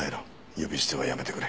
呼び捨てはやめてくれ。